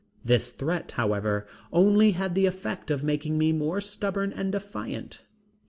This threat, however, only had the effect of making me more stubborn and defiant.